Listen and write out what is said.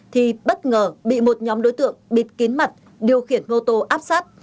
thì bất ngờ bị một nhóm đối tượng bịt kín mặt điều khiển mô tô áp sát